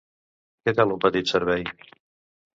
Què tal un petit servei?